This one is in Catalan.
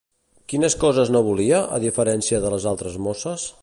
Quines coses no volia, a diferència de les altres mosses?